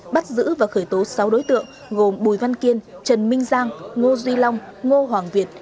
bắt giữ và khởi tố sáu đối tượng gồm bùi văn kiên trần minh giang ngô duy long ngô hoàng việt